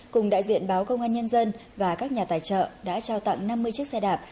cùng đại diện báo công an nhân dân và các nhà tài trợ đã trao tặng năm mươi chiếc xe đạp